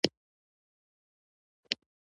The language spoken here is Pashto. خو په لیکنو کې یې تل شته وي.